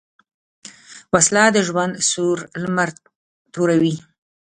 وسله د ژوند سور لمر توروي